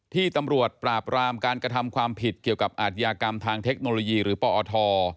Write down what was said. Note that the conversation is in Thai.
ที่ตำรวจปราบรามการกระทำความผิดเกี่ยวกับอาทยากรรมทางเทคโนโลยีหรือปอท